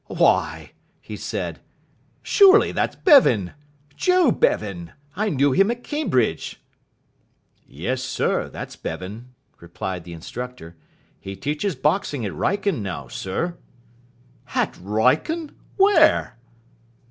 "Why," he said, "surely that's Bevan Joe Bevan! I knew him at Cambridge." "Yes, sir, that's Bevan," replied the instructor. "He teaches boxing at Wrykyn now, sir." "At Wrykyn where?"